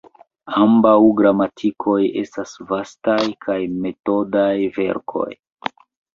Ambaŭ gramatikoj estas vastaj kaj metodaj verkoj.